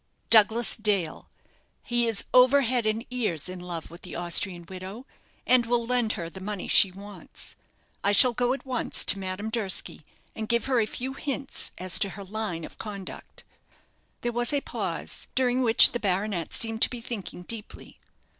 "Douglas Dale. He is over head and ears in love with the Austrian widow, and will lend her the money she wants. I shall go at once to Madame Durski and give her a few hints as to her line of conduct." There was a pause, during which the baronet seemed to be thinking deeply.